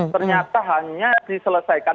ternyata hanya diselesaikan